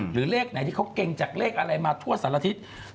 หรือเลขไหนที่เขาเก่งจากเลขอะไรมาทั่วสันละทิตย์